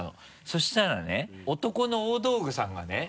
そしたらね男の大道具さんがね